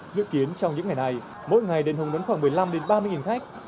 dự kiến trong những ngày này mỗi ngày đền hùng đón khoảng một mươi năm ba mươi khách